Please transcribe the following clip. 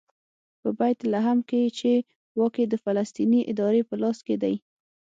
په بیت لحم کې چې واک یې د فلسطیني ادارې په لاس کې دی.